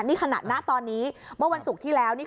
นี่ขณะณตอนนี้เมื่อวันศุกร์ที่แล้ว